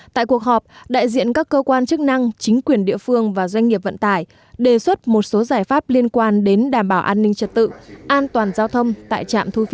tại cuộc họp đại diện các cơ quan chức năng chính quyền địa phương và doanh nghiệp vận tải đề xuất một số giải pháp liên quan đến đảm bảo an ninh trật tự an toàn giao thông tại trạm thu phí